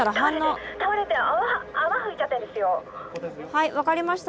はい分かりました。